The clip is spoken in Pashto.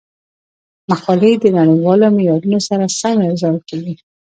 مقالې د نړیوالو معیارونو سره سمې ارزول کیږي.